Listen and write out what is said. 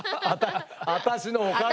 私のおかげで。